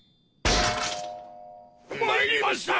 参りました！